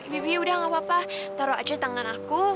bibi udah gak apa apa taruh aja tangan aku